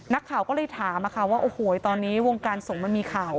นักข่าวก็เลยถามว่าโอ้โหตอนนี้วงการสงฆ์มันมีข่าว